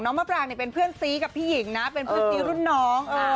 มะปรางเป็นเพื่อนซีกับพี่หญิงนะเป็นเพื่อนซีรุ่นน้อง